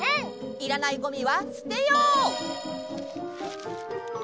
いらないゴミはすてよう！